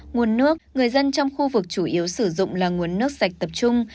nguồn nước người dân trong khu vực chủ yếu sử dụng là nguồn nước sạch tập trung